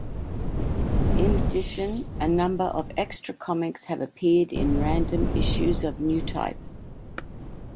In addition, a number of extra comics have appeared in random issues of "Newtype".